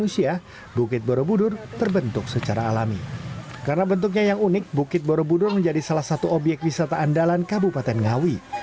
karena bentuknya yang unik bukit borobudur menjadi salah satu obyek wisata andalan kabupaten ngawi